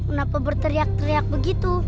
kenapa berteriak teriak begitu